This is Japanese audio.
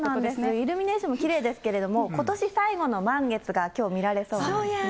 イルミネーションもきれいですけれども、ことし最後の満月がきょう見られそうですね。